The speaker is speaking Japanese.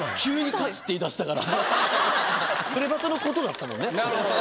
『プレバト』のことだったのね。